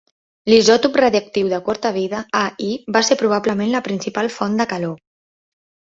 L'isòtop radioactiu de curta vida Al va ser probablement la principal font de calor.